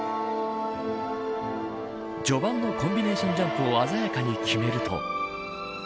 序盤のコンビネーションジャンプを鮮やかに決めると。